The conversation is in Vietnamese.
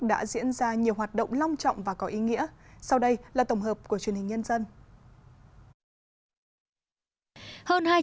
đã diễn ra nhiều hoạt động long trọng và có ý nghĩa sau đây là tổng hợp của truyền hình nhân dân